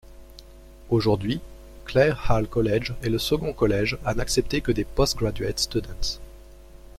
Aujourd’hui, Clare Hall College est le second collège à n’accepter que des postgraduate students.